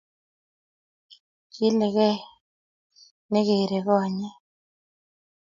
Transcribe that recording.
kile kei nekere konyek